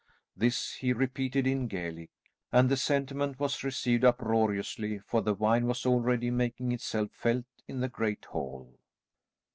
This he repeated in Gaelic, and the sentiment was received uproariously, for the wine was already making itself felt in the great hall.